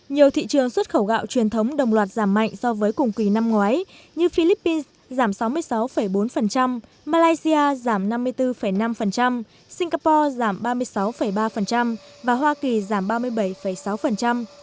nhiều thị trường xuất khẩu gạo truyền thống đồng loạt giảm mạnh so với cùng kỳ năm ngoái như philippines giảm sáu mươi sáu bốn malaysia giảm năm mươi bốn năm singapore giảm ba mươi sáu ba và hoa kỳ giảm ba mươi bảy sáu